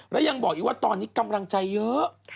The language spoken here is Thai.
แล้วยังบอกอีกว่าตอนนี้กำลังใจเยอะ